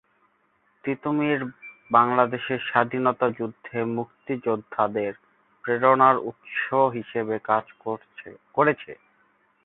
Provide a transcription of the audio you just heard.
তিতুমীর বাংলাদেশের স্বাধীনতা যুদ্ধে মুক্তিযোদ্ধাদের প্রেরণার উৎস হিসাবে কাজ করেছে।